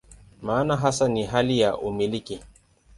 Maana hasa ni hali ya "umiliki".